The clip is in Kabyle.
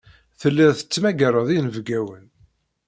Telliḍ tettmagareḍ inebgawen.